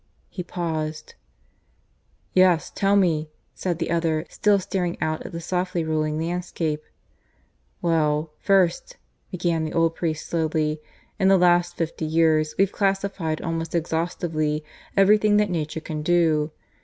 ..." He paused. "Yes, tell me," said the other, still staring out at the softly rolling landscape. "Well, first," began the old priest slowly, "in the last fifty years we've classified almost exhaustively everything that nature can do.